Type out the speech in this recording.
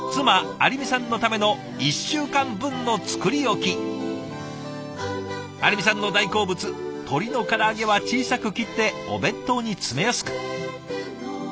有美さんの大好物鶏のから揚げは小さく切ってお弁当に詰めやすく。